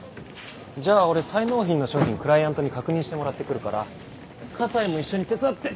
じゃあ俺再納品の商品クライアントに確認してもらってくるから河西も一緒に手伝って。